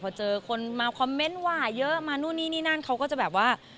พอเจอคนมาคอมเมนต์ว่าเยอะมานู่นนี่นี่นั่นเขาก็จะแบบว่า